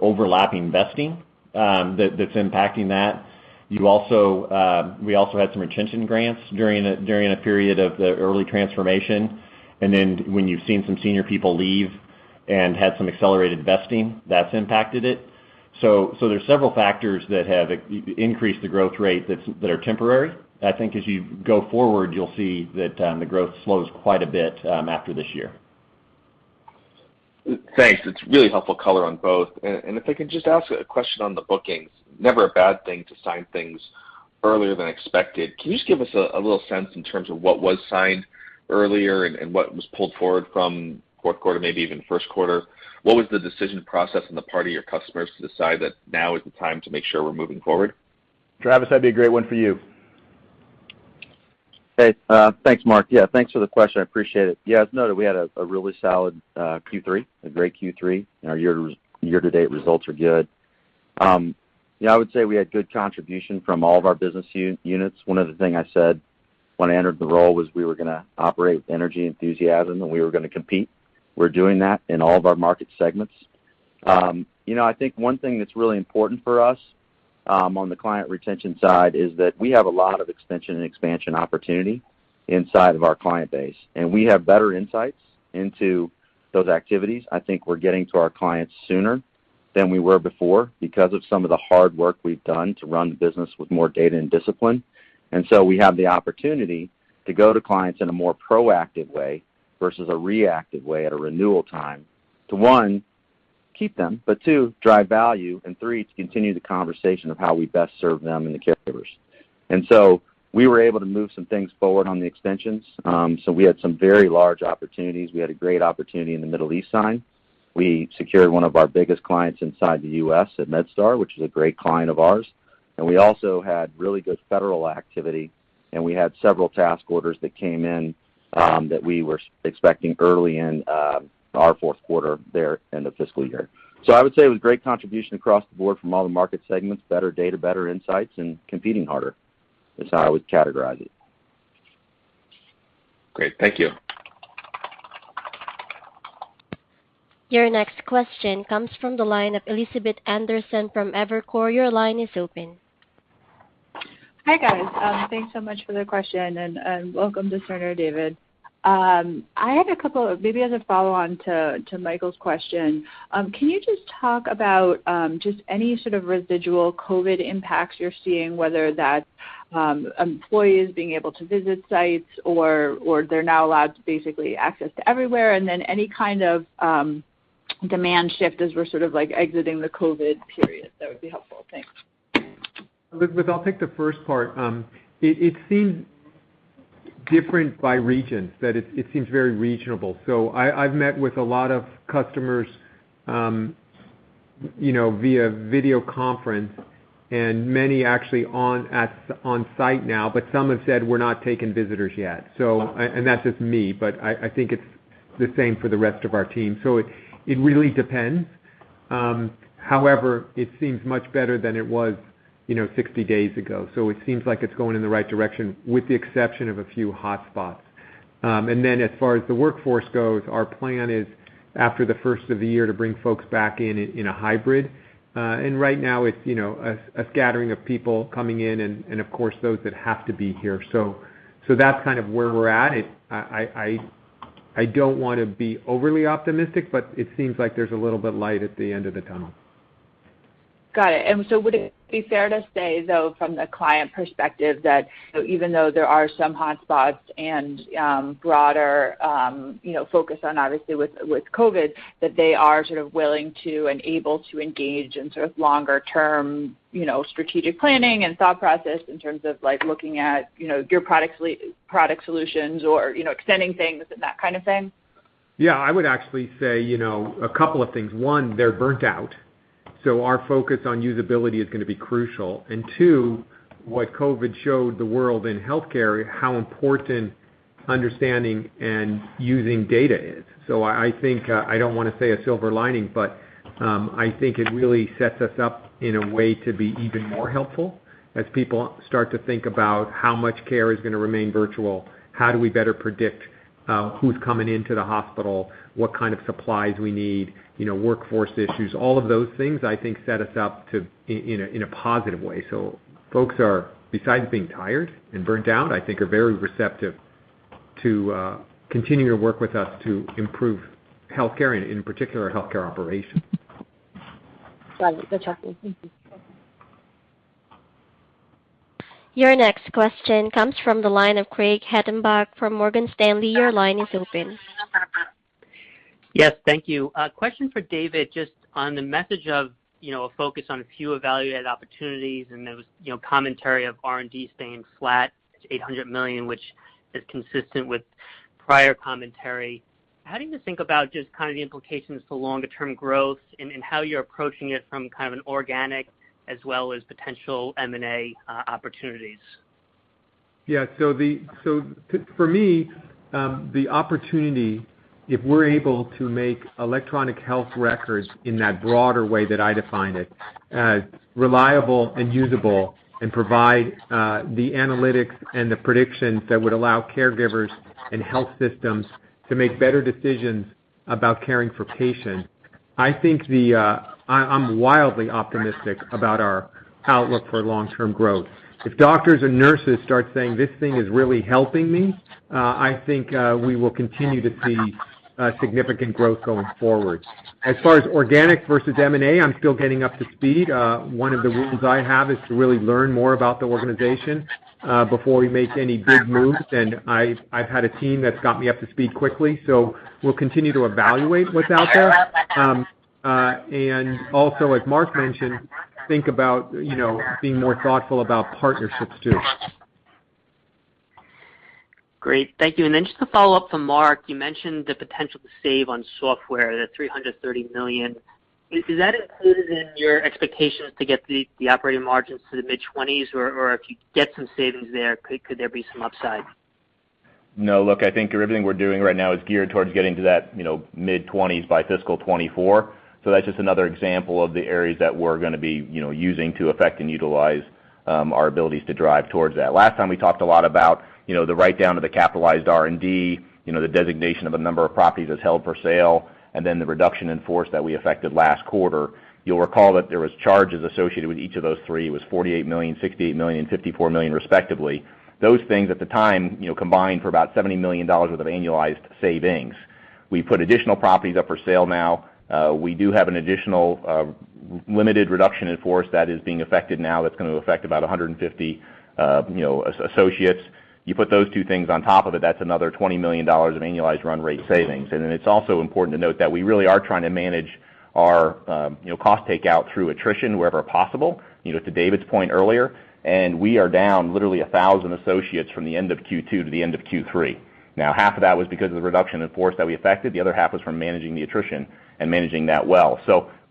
overlapping vesting that's impacting that. We also had some retention grants during a period of the early transformation. Then when you've seen some senior people leave and had some accelerated vesting, that's impacted it. There's several factors that have increased the growth rate that are temporary. I think as you go forward, you'll see that the growth slows quite a bit after this year. Thanks. It's really helpful color on both. If I can just ask a question on the bookings. Never a bad thing to sign things earlier than expected. Can you just give us a little sense in terms of what was signed earlier and what was pulled forward from fourth quarter, maybe even first quarter? What was the decision process on the part of your customers to decide that now is the time to make sure we're moving forward? Travis, that'd be a great one for you. Hey, thanks, Mark. Yeah, thanks for the question. I appreciate it. Yeah, as noted, we had a really solid Q3, a great Q3, and our year to date results are good. Yeah, I would say we had good contribution from all of our business units. One of the thing I said when I entered the role was we were gonna operate with energy, enthusiasm, and we were gonna compete. We're doing that in all of our market segments. You know, I think one thing that's really important for us on the client retention side is that we have a lot of extension and expansion opportunity inside of our client base, and we have better insights into those activities. I think we're getting to our clients sooner than we were before because of some of the hard work we've done to run the business with more data and discipline. We have the opportunity to go to clients in a more proactive way versus a reactive way at a renewal time to, one, keep them, but two, drive value, and three, to continue the conversation of how we best serve them and the caregivers. We were able to move some things forward on the extensions. We had some very large opportunities. We had a great opportunity in the Middle East signed. We secured one of our biggest clients inside the U.S. at MedStar, which is a great client of ours. We also had really good federal activity, and we had several task orders that came in, that we were expecting early in our fourth quarter there in the fiscal year. I would say it was great contribution across the board from all the market segments, better data, better insights, and competing harder is how I would categorize it. Great. Thank you. Your next question comes from the line of Elizabeth Anderson from Evercore. Your line is open. Hi, guys. Thanks so much for the question, and welcome to Cerner, David. Maybe as a follow-on to Michael's question. Can you just talk about just any sort of residual COVID impacts you're seeing, whether that's employees being able to visit sites or they're now allowed to basically access to everywhere? Any kind of demand shift as we're sort of like exiting the COVID period. That would be helpful. Thanks. Elizabeth, I'll take the first part. It seems different by regions, that it seems very regional. I've met with a lot of customers, you know, via video conference and many actually on site now, but some have said we're not taking visitors yet. That's just me, but I think it's the same for the rest of our team. It really depends. However, it seems much better than it was, you know, 60 days ago. It seems like it's going in the right direction with the exception of a few hotspots. As far as the workforce goes, our plan is after the first of the year to bring folks back in a hybrid. Right now it's, you know, a scattering of people coming in and of course, those that have to be here. That's kind of where we're at. I don't wanna be overly optimistic, but it seems like there's a little bit light at the end of the tunnel. Got it. Would it be fair to say, though, from the client perspective that even though there are some hotspots and broader, you know, focus on obviously with COVID, that they are sort of willing to and able to engage in sort of longer term, you know, strategic planning and thought process in terms of, like, looking at, you know, your products product solutions or, you know, extending things and that kind of thing? Yeah. I would actually say, you know, a couple of things. One, they're burned out, so our focus on usability is gonna be crucial. Two, what COVID showed the world in healthcare, how important understanding and using data is. I think I don't wanna say a silver lining, but I think it really sets us up in a way to be even more helpful as people start to think about how much care is gonna remain virtual, how do we better predict who's coming into the hospital, what kind of supplies we need, you know, workforce issues. All of those things, I think, set us up in a positive way. Folks are, besides being tired and burned out, I think are very receptive to continue to work with us to improve healthcare, and in particular, healthcare operations. Got it. No trouble. Thank you. Your next question comes from the line of Craig Hettenbach from Morgan Stanley. Your line is open. Yes. Thank you. A question for David, just on the message of, you know, a focus on a few evaluated opportunities and those, you know, commentary of R&D staying flat to $800 million, which is consistent with prior commentary. How do you think about just kind of the implications to longer term growth and how you're approaching it from kind of an organic as well as potential M&A opportunities? For me, the opportunity, if we're able to make electronic health records in that broader way that I defined it, the analytics and the predictions that would allow caregivers and health systems to make better decisions about caring for patients. I think I'm wildly optimistic about our outlook for long-term growth. If doctors and nurses start saying, "This thing is really helping me," I think we will continue to see significant growth going forward. As far as organic versus M&A, I'm still getting up to speed. One of the rules I have is to really learn more about the organization before we make any big moves, and I've had a team that's got me up to speed quickly. We'll continue to evaluate what's out there. As Mark mentioned, think about, you know, being more thoughtful about partnerships too. Great. Thank you. Then just a follow-up for Mark. You mentioned the potential to save on software, the $330 million. Is that included in your expectations to get the operating margins to the mid-20s%? Or if you get some savings there, could there be some upside? No, look, I think everything we're doing right now is geared towards getting to that, you know, mid-twenties by fiscal 2024. That's just another example of the areas that we're gonna be, you know, using to effect and utilize our abilities to drive towards that. Last time we talked a lot about, you know, the write-down of the capitalized R&D, you know, the designation of a number of properties as held for sale, and then the reduction in force that we effected last quarter. You'll recall that there was charges associated with each of those three. It was $48 million, $68 million, and $54 million respectively. Those things at the time, you know, combined for about $70 million worth of annualized savings. We put additional properties up for sale now. We do have an additional limited reduction in force that is being effected now that's gonna affect about 150, you know, associates. You put those two things on top of it, that's another $20 million of annualized run rate savings. It's also important to note that we really are trying to manage our cost takeout through attrition wherever possible, you know, to David's point earlier. We are down literally 1,000 associates from the end of Q2 to the end of Q3. Now, half of that was because of the reduction in force that we effected, the other half was from managing the attrition and managing that well.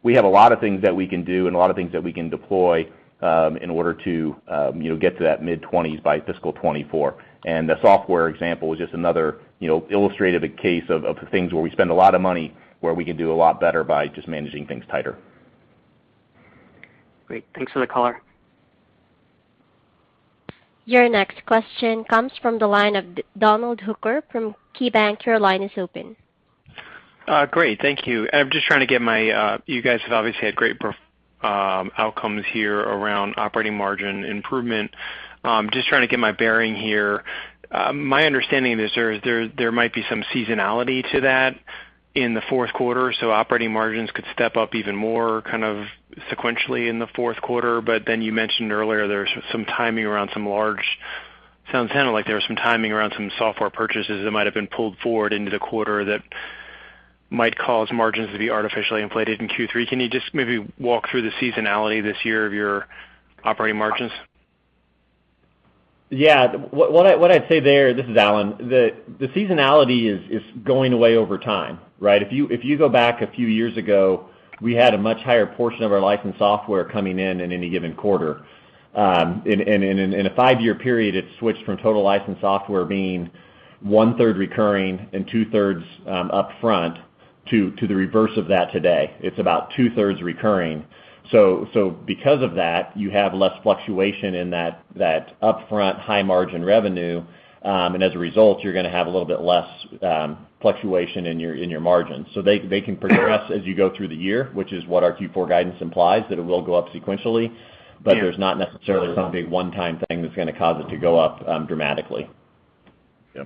We have a lot of things that we can do and a lot of things that we can deploy in order to you know get to that mid-20s by fiscal 2024. The software example is just another you know illustrative case of the things where we spend a lot of money where we can do a lot better by just managing things tighter. Great. Thanks for the color. Your next question comes from the line of Donald Hooker from KeyBanc. Your line is open. Great. Thank you. I'm just trying to get my... You guys have obviously had great outcomes here around operating margin improvement. Just trying to get my bearing here. My understanding is there might be some seasonality to that in the fourth quarter, so operating margins could step up even more kind of sequentially in the fourth quarter. But then you mentioned earlier there's some timing around some software purchases that might have been pulled forward into the quarter that might cause margins to be artificially inflated in Q3. Can you just maybe walk through the seasonality this year of your operating margins? What I'd say there, this is Allan, the seasonality is going away over time, right? If you go back a few years ago, we had a much higher portion of our licensed software coming in in any given quarter. In a five-year period, it switched from total licensed software being 1/3 recurring and 2/3 upfront to the reverse of that today. It's about 2/3 recurring. Because of that, you have less fluctuation in that upfront high margin revenue. As a result, you're gonna have a little bit less fluctuation in your margins. They can progress as you go through the year, which is what our Q4 guidance implies, that it will go up sequentially. Yeah. There's not necessarily some big one-time thing that's gonna cause it to go up, dramatically. Yeah.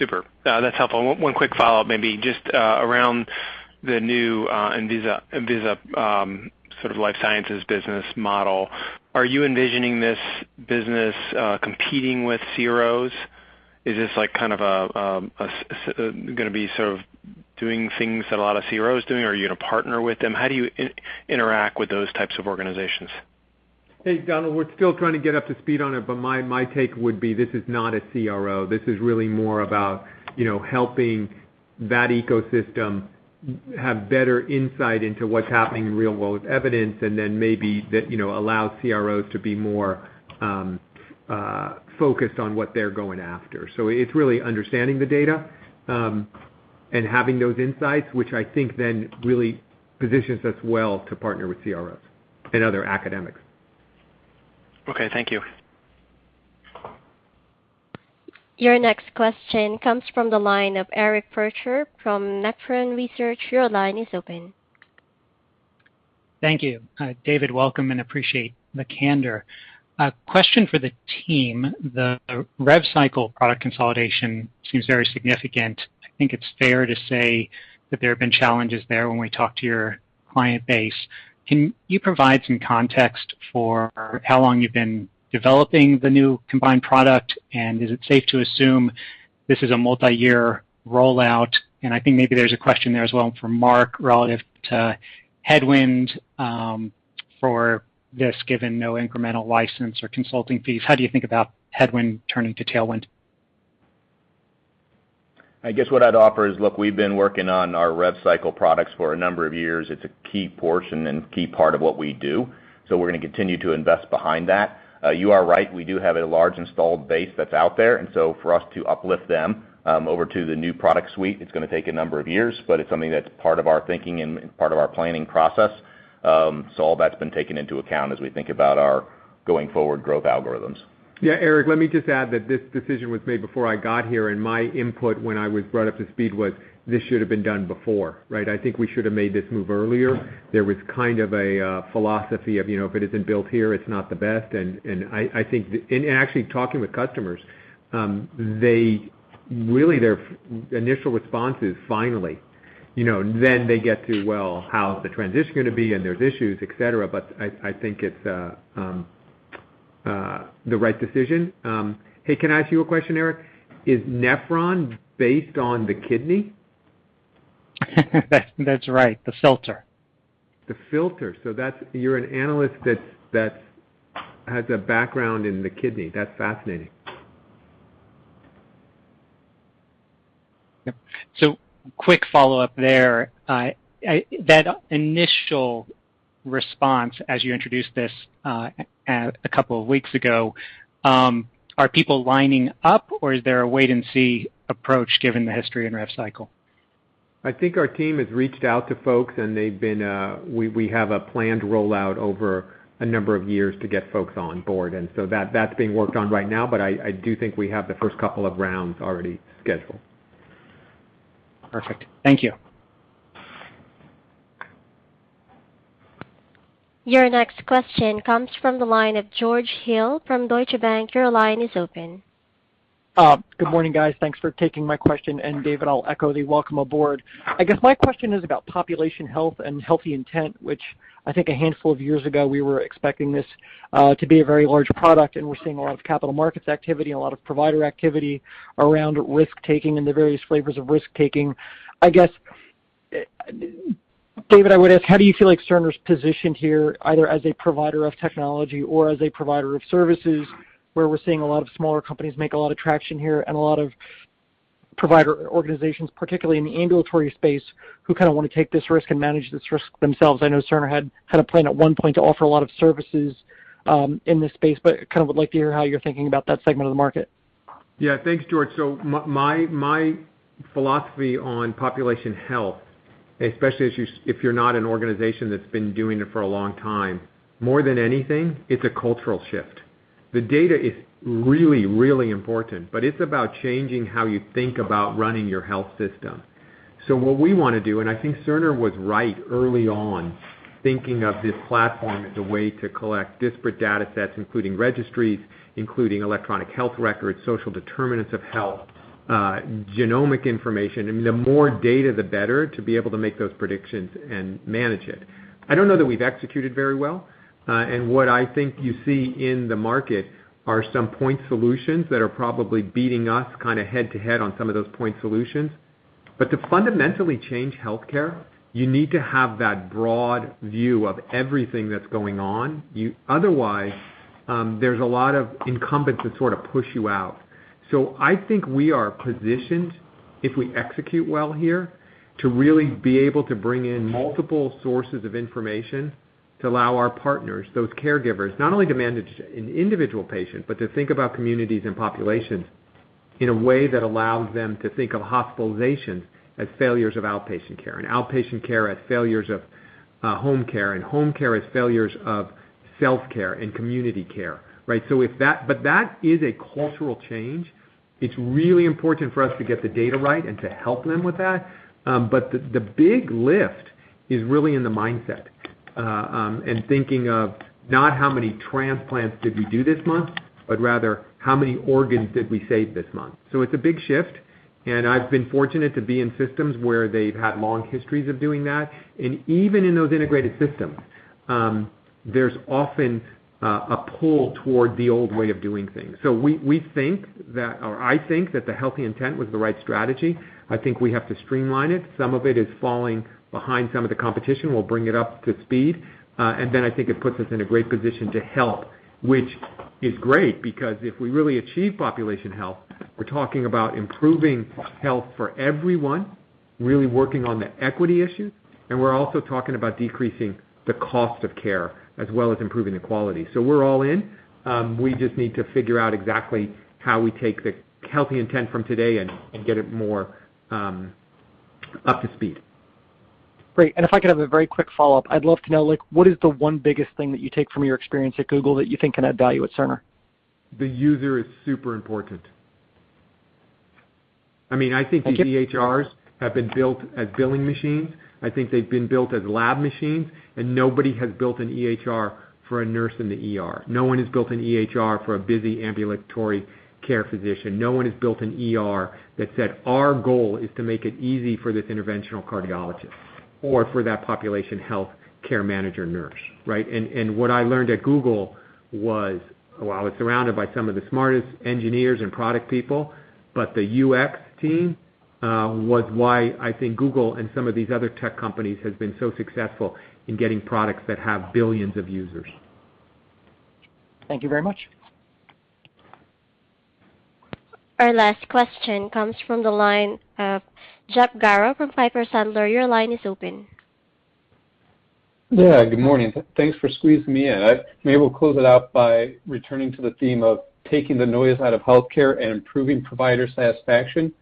Super. That's helpful. One quick follow-up maybe just around the new Enviza sort of life sciences business model. Are you envisioning this business competing with CROs? Is this like kind of gonna be sort of doing things that a lot of CROs doing? Are you gonna partner with them? How do you interact with those types of organizations? Hey, Donald, we're still trying to get up to speed on it, but my take would be this is not a CRO. This is really more about, you know, helping that ecosystem have better insight into what's happening in real-world evidence and then maybe that, you know, allow CROs to be more focused on what they're going after. It's really understanding the data and having those insights, which I think then really positions us well to partner with CROs and other academics. Okay, thank you. Your next question comes from the line of Eric Percher from Nephron Research. Your line is open. Thank you. David, welcome and appreciate the candor. A question for the team. The rev cycle product consolidation seems very significant. I think it's fair to say that there have been challenges there when we talk to your client base. Can you provide some context for how long you've been developing the new combined product? Is it safe to assume this is a multi-year rollout? I think maybe there's a question there as well for Mark relative to headwind for this, given no incremental license or consulting fees. How do you think about headwind turning to tailwind? I guess what I'd offer is, look, we've been working on our rev cycle products for a number of years. It's a key portion and key part of what we do. We're gonna continue to invest behind that. You are right, we do have a large installed base that's out there. For us to uplift them over to the new product suite, it's gonna take a number of years, but it's something that's part of our thinking and part of our planning process. All that's been taken into account as we think about our going forward growth algorithms. Yeah. Eric, let me just add that this decision was made before I got here, and my input when I was brought up to speed was, this should have been done before, right? I think we should have made this move earlier. Right. There was kind of a philosophy of, you know, if it isn't built here, it's not the best. I think actually talking with customers, they really, their initial response is finally. You know, then they get to, "Well, how's the transition gonna be?" There's issues, et cetera. I think it's the right decision. Hey, can I ask you a question, Eric? Is Nephron based on the kidney? That's right. The filter. The filter. You're an analyst that has a background in the kidney. That's fascinating. Yep. Quick follow-up there. That initial response as you introduced this a couple of weeks ago, are people lining up, or is there a wait and see approach given the history and rev cycle? I think our team has reached out to folks and they've been, we have a planned rollout over a number of years to get folks on board, and so that's being worked on right now. I do think we have the first couple of rounds already scheduled. Perfect. Thank you. Your next question comes from the line of George Hill from Deutsche Bank. Your line is open. Good morning, guys. Thanks for taking my question. David, I'll echo the welcome aboard. I guess my question is about population health and HealtheIntent, which I think a handful of years ago we were expecting this to be a very large product, and we're seeing a lot of capital markets activity and a lot of provider activity around risk taking and the various flavors of risk taking. I guess, David, I would ask, how do you feel like Cerner's positioned here, either as a provider of technology or as a provider of services, where we're seeing a lot of smaller companies make a lot of traction here and a lot of provider organizations, particularly in the ambulatory space, who kinda wanna take this risk and manage this risk themselves? I know Cerner had had a plan at one point to offer a lot of services, in this space, but kind of would like to hear how you're thinking about that segment of the market. Yeah. Thanks, George. My philosophy on population health, especially if you're not an organization that's been doing it for a long time, more than anything, it's a cultural shift. The data is really, really important, but it's about changing how you think about running your health system. What we wanna do, and I think Cerner was right early on thinking of this platform as a way to collect disparate data sets, including registries, including electronic health records, social determinants of health, genomic information. I mean, the more data, the better to be able to make those predictions and manage it. I don't know that we've executed very well. What I think you see in the market are some point solutions that are probably beating us kinda head to head on some of those point solutions. To fundamentally change healthcare, you need to have that broad view of everything that's going on. Otherwise, there's a lot of incumbents that sort of push you out. I think we are positioned, if we execute well here, to really be able to bring in multiple sources of information to allow our partners, those caregivers, not only to manage an individual patient, but to think about communities and populations in a way that allows them to think of hospitalizations as failures of outpatient care, and outpatient care as failures of home care, and home care as failures of self-care and community care, right? That is a cultural change. It's really important for us to get the data right and to help them with that. The big lift is really in the mindset, and thinking of not how many transplants did we do this month, but rather how many organs did we save this month. It's a big shift, and I've been fortunate to be in systems where they've had long histories of doing that. Even in those integrated systems, there's often a pull toward the old way of doing things. We think that or I think that the HealtheIntent was the right strategy. I think we have to streamline it. Some of it is falling behind some of the competition. We'll bring it up to speed. I think it puts us in a great position to help, which is great because if we really achieve population health, we're talking about improving health for everyone, really working on the equity issue, and we're also talking about decreasing the cost of care as well as improving the quality. We're all in. We just need to figure out exactly how we take the HealtheIntent from today and get it more up to speed. Great. If I could have a very quick follow-up, I'd love to know, like what is the one biggest thing that you take from your experience at Google that you think can add value at Cerner? The user is super important. I mean, I think. Okay. The EHRs have been built as billing machines. I think they've been built as lab machines, and nobody has built an EHR for a nurse in the ER. No one has built an EHR for a busy ambulatory care physician. No one has built an EHR that said, "Our goal is to make it easy for this interventional cardiologist or for that population health care manager nurse." Right? And what I learned at Google was while I was surrounded by some of the smartest engineers and product people, but the UX team was why I think Google and some of these other tech companies has been so successful in getting products that have billions of users. Thank you very much. Our last question comes from the line of Jeff Garro from Piper Sandler. Your line is open. Yeah. Good morning. Thanks for squeezing me in. Maybe we'll close it out by returning to the theme of taking the noise out of healthcare and improving provider satisfaction.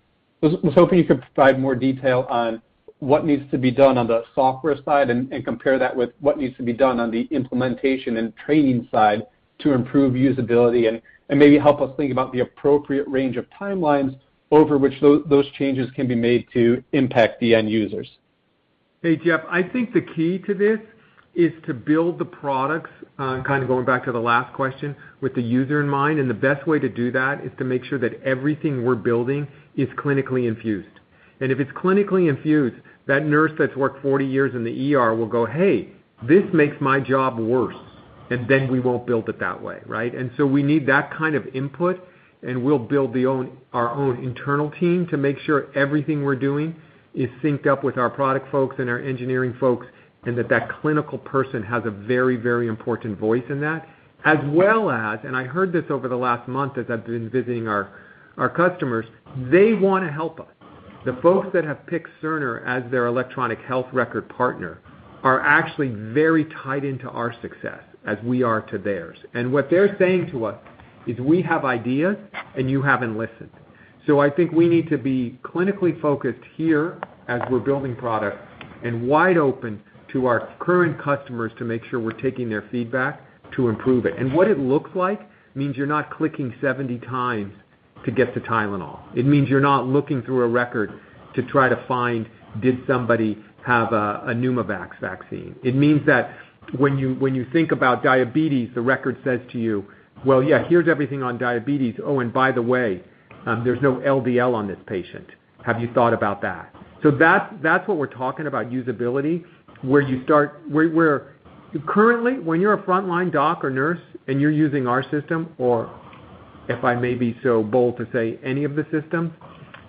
I was hoping you could provide more detail on what needs to be done on the software side and compare that with what needs to be done on the implementation and training side to improve usability and maybe help us think about the appropriate range of timelines over which those changes can be made to impact the end users. Hey, Jeff. I think the key to this is to build the products, kind of going back to the last question, with the user in mind, and the best way to do that is to make sure that everything we're building is clinically infused. If it's clinically infused, that nurse that's worked 40 years in the ER will go, "Hey, this makes my job worse." Then we won't build it that way, right? We need that kind of input, and we'll build our own internal team to make sure everything we're doing is synced up with our product folks and our engineering folks, and that that clinical person has a very, very important voice in that. I heard this over the last month as I've been visiting our customers. They wanna help us. The folks that have picked Cerner as their electronic health record partner are actually very tied into our success as we are to theirs. What they're saying to us is, "We have ideas, and you haven't listened." I think we need to be clinically focused here as we're building products and wide open to our current customers to make sure we're taking their feedback to improve it. What it looks like means you're not clicking 70 times to get to Tylenol. It means you're not looking through a record to try to find, did somebody have a Pneumovax vaccine. It means that when you think about diabetes, the record says to you, "Well, yeah, here's everything on diabetes. Oh, and by the way, there's no LDL on this patient. Have you thought about that?" That's what we're talking about usability, where currently, when you're a frontline doc or nurse and you're using our system or, if I may be so bold to say, any of the systems,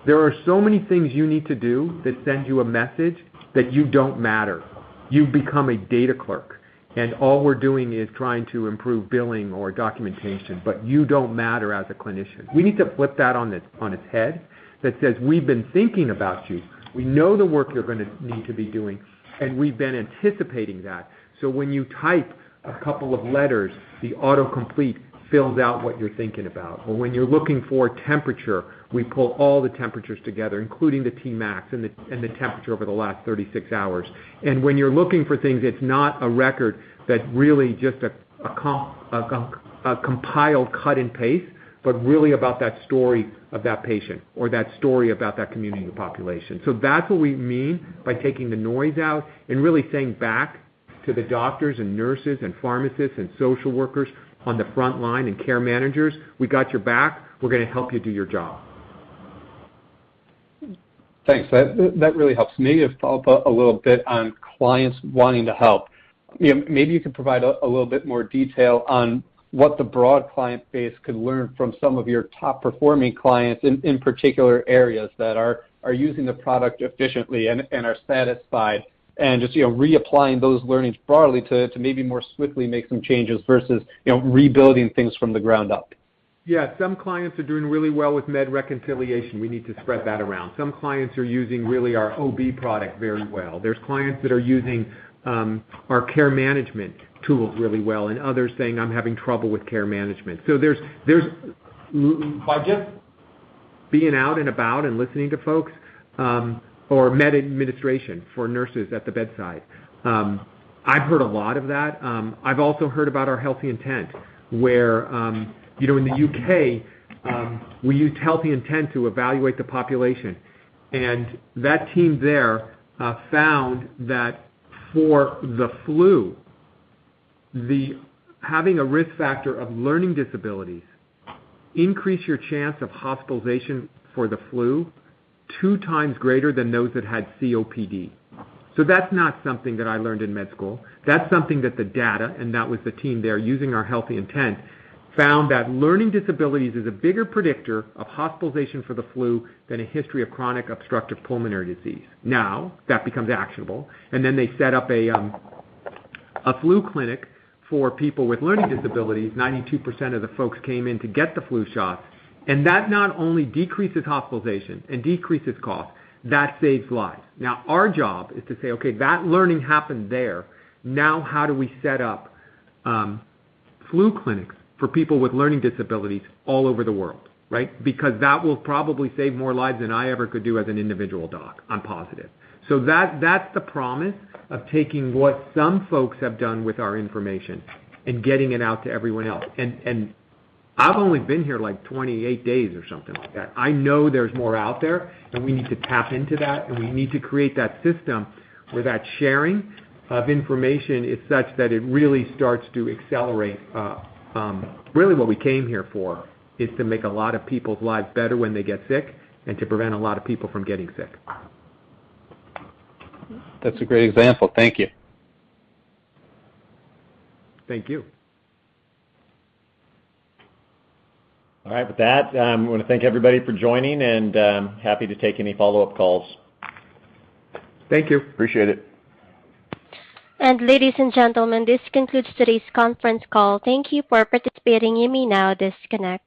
there are so many things you need to do that send you a message that you don't matter. You've become a data clerk, and all we're doing is trying to improve billing or documentation, but you don't matter as a clinician. We need to flip that on its head that says, "We've been thinking about you. We know the work you're gonna need to be doing, and we've been anticipating that." When you type a couple of letters, the auto-complete fills out what you're thinking about. When you're looking for temperature, we pull all the temperatures together, including the Tmax and the temperature over the last 36 hours. When you're looking for things, it's not a record that really just a compile cut and paste, but really about that story of that patient or that story about that community population. That's what we mean by taking the noise out and really saying back to the doctors and nurses and pharmacists and social workers on the front line and care managers, "We got your back. We're gonna help you do your job. Thanks. That really helps me to follow up a little bit on clients wanting to help. You know, maybe you could provide a little bit more detail on what the broad client base could learn from some of your top-performing clients in particular areas that are using the product efficiently and are satisfied and just, you know, reapplying those learnings broadly to maybe more swiftly make some changes versus, you know, rebuilding things from the ground up. Some clients are doing really well with med reconciliation. We need to spread that around. Some clients are using really our OB product very well. There's clients that are using our care management tools really well and others saying, "I'm having trouble with care management." There's by just being out and about and listening to folks or med administration for nurses at the bedside. I've heard a lot of that. I've also heard about our HealtheIntent, where you know, in the U.K., we used HealtheIntent to evaluate the population. That team there found that for the flu, having a risk factor of learning disabilities increase your chance of hospitalization for the flu two times greater than those that had COPD. That's not something that I learned in med school. That's something that the data, and that was the team there using our HealtheIntent, found that learning disabilities is a bigger predictor of hospitalization for the flu than a history of chronic obstructive pulmonary disease. Now, that becomes actionable. Then they set up a flu clinic for people with learning disabilities. 92% of the folks came in to get the flu shot, and that not only decreases hospitalization and decreases cost, that saves lives. Now, our job is to say, "Okay, that learning happened there. Now how do we set up flu clinics for people with learning disabilities all over the world?" Right? Because that will probably save more lives than I ever could do as an individual doc. I'm positive. That, that's the promise of taking what some folks have done with our information and getting it out to everyone else. I've only been here, like, 28 days or something like that. I know there's more out there, and we need to tap into that, and we need to create that system where that sharing of information is such that it really starts to accelerate, really what we came here for, is to make a lot of people's lives better when they get sick and to prevent a lot of people from getting sick. That's a great example. Thank you. Thank you. All right. With that, I wanna thank everybody for joining, and happy to take any follow-up calls. Thank you. Appreciate it. Ladies and gentlemen, this concludes today's conference call. Thank you for participating. You may now disconnect.